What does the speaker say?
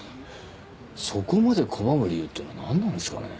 そこまで拒む理由っていうのはなんなんですかね？